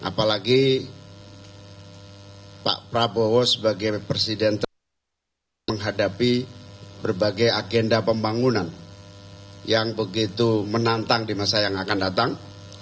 apalagi pak prabowo sebagai presiden menghadapi berbagai agenda pembangunan yang begitu menantang di masa yang akan datang